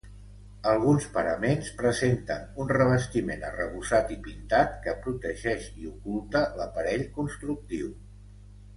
Alguns paraments presenten un revestiment arrebossat i pintat, que protegeix i oculta l'aparell constructiu.